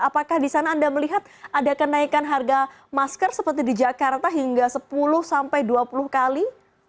apakah di sana anda melihat ada kenaikan harga masker seperti di jakarta hingga sepuluh sampai dua puluh kali